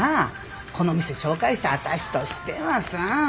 この店紹介した私としてはさ。